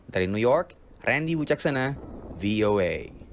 dari new york randy wujaksana voa